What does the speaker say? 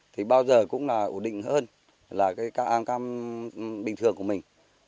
thì bao giờ cũng là ổn định hơn là cái cam bình thường của mình